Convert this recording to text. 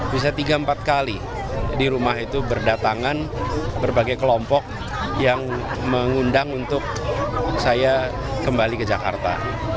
bisa tiga empat kali di rumah itu berdatangan berbagai kelompok yang mengundang untuk saya kembali ke jakarta